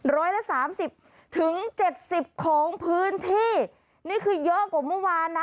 ร้อยละสามสิบถึงเจ็ดสิบของพื้นที่นี่คือเยอะกว่าเมื่อวานนะ